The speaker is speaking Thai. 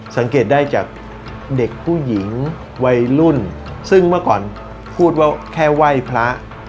สังเกตได้จากเด็กผู้หญิงวัยรุ่นซึ่งเมื่อก่อนพูดว่าแค่ไหว้พระ